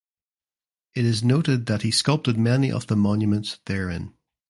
It is noted that he sculpted many of the monuments therein.